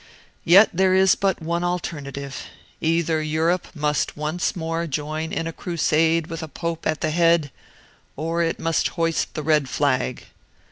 Yet there is but one alternative: either Europe must once more join in a crusade with a pope at the head, or it must hoist the red flag.